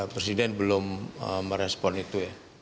presiden belum merespon itu ya